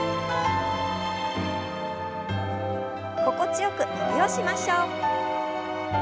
心地よく伸びをしましょう。